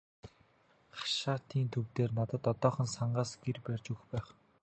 Хашаатын төв дээр надад одоохондоо сангаас гэр барьж өгөх байх.